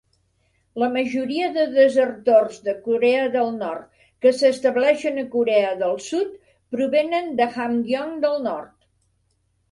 La majoria de desertors de Corea del Nord que s'estableixen a Corea del Sud provenen de Hamgyong del Nord.